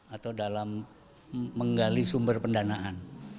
atau dalam menggali sumber pendanaan